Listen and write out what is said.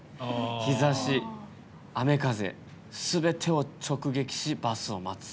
日ざし、雨風すべてを直撃し、バスを待つ。